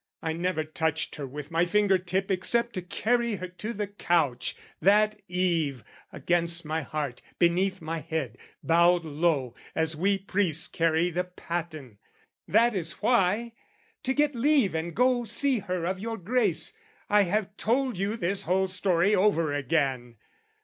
I never touched her with my finger tip Except to carry her to the couch, that eve, Against my heart, beneath my head, bowed low, As we priests carry the paten: that is why To get leave and go see her of your grace I have told you this whole story over again.